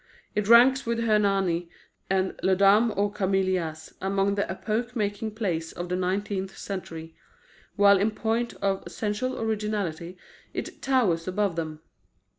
It ranks with Hernani and La Dame aux Camélias among the epoch making plays of the nineteenth century, while in point of essential originality it towers above them.